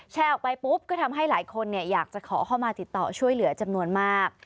แชร์ออกไปปุ๊บก็ทำให้หลายคนอยากจะขอเข้ามาติดต่อช่วยเหลือจำนวนมาก